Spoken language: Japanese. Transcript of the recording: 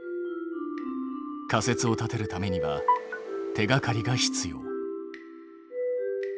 仮説を立てるためには手がかりが必要。